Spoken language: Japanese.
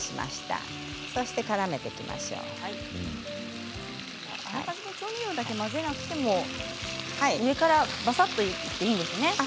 あらかじめ調味料を混ぜておかなくても上からバサッといっていいんですね。